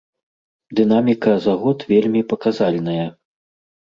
Дынаміка за год вельмі паказальная.